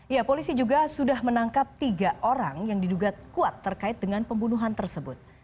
ya polisi juga sudah menangkap tiga orang yang diduga kuat terkait dengan pembunuhan tersebut